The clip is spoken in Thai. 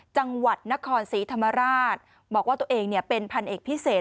จังหวัดนครศรีธรรมราชบอกว่าตัวเองเป็นพันเอกพิเศษ